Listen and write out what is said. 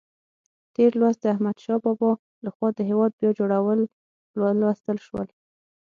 تېر لوست د احمدشاه بابا لخوا د هېواد بیا جوړول ولوستل شول.